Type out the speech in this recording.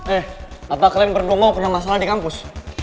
eh apa kalian berdua mau punya masalah di kampus